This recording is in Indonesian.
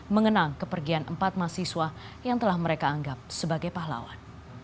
mengenang kepergian empat mahasiswa yang telah mereka anggap sebagai pahlawan